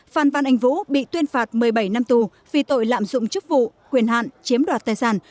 phan văn anh vũ bị tuyên phạt một mươi bảy năm tù vì tội lạm dụng chức vụ quyền hạn chiếm đoạt tài sản